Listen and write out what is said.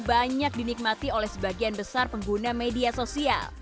banyak dinikmati oleh sebagian besar pengguna media sosial